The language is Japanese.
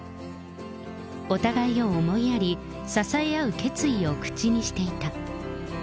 お互いを思いやり、支え合う決意を口にしていた。